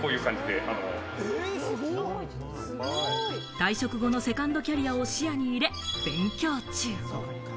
退職後のセカンドキャリアを視野に入れ勉強中。